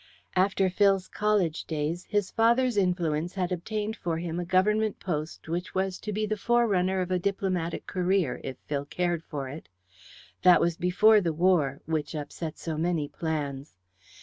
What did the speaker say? After Phil's college days his father's influence had obtained for him a Government post which was to be the forerunnner of a diplomatic career, if Phil cared for it. That was before the war, which upset so many plans.